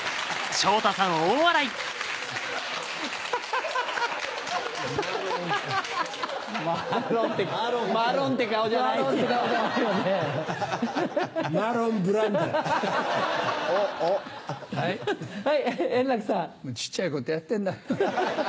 小っちゃいことやってんな。